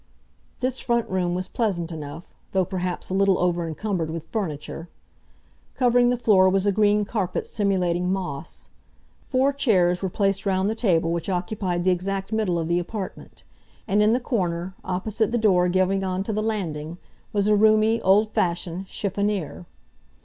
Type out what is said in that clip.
This front room was pleasant enough, though perhaps a little over encumbered with furniture. Covering the floor was a green carpet simulating moss; four chairs were placed round the table which occupied the exact middle of the apartment, and in the corner, opposite the door giving on to the landing, was a roomy, old fashioned chiffonnier.